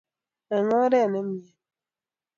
eng oret nemiee